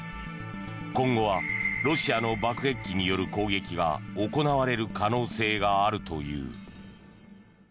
今後はロシアの爆撃機による攻撃が行われる可能性があるという。